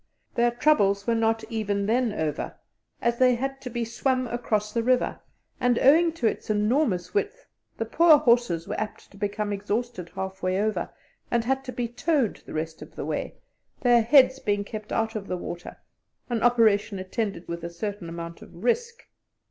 Their troubles were not even then over, as they had to be swum across the river, and, owing to its enormous width, the poor horses were apt to become exhausted halfway over, and had to be towed the rest of the way, their heads being kept out of the water an operation attended with a certain amount of risk.